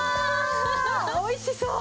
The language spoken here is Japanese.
おいしそう！